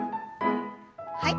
はい。